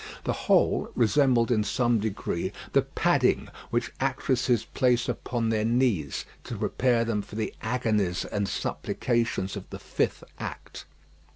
The whole resembled in some degree the padding which actresses place upon their knees, to prepare them for the agonies and supplications of the fifth act.